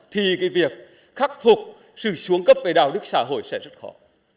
thì cái việc khắc phục sự xuống cấp về đạo đức xã hội sẽ rất khó